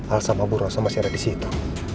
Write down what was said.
al sama bu rosa masih ada di situ